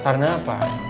karena apa